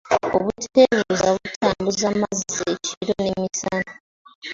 Obuteebuuza butambuza amazzi ekiro n’emisana.